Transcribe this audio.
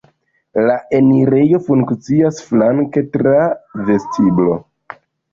La enirejo funkcias flanke tra vestiblo.